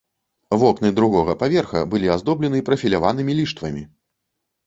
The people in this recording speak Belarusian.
Вокны другога паверха былі аздоблены прафіляванымі ліштвамі.